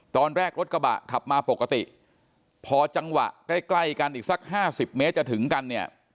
ตอนแรกรถกระบะขับมาปกติพอจังหวะใกล้กันอีกสัก๕๐เมตรจะถึงกันเนี่ย